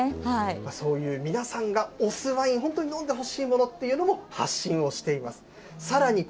そういう皆さんがおすワイン、本当に飲んでほしいものというのも発信をしています。